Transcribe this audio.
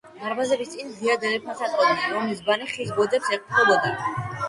დარბაზების წინ ღია დერეფანს აწყობდნენ, რომლის ბანი ხის ბოძებს ეყრდნობოდა.